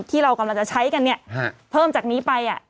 ที่เรากำลังจะใช้กันเนี่ยเพิ่มจากนี้ไป